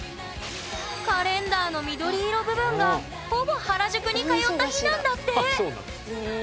カレンダーの緑色部分がほぼ原宿に通った日なんだって！